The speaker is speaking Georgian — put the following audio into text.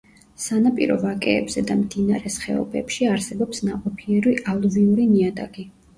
სანაპირო ვაკეებზე და მდინარეს ხეობებში არსებობს ნაყოფიერი ალუვიური ნიადაგი.